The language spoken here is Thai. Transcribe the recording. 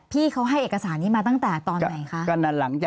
พี่เขาให้เอกสารนี้มาตั้งแต่ตอนไหนคะ